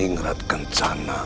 ini meratakan sana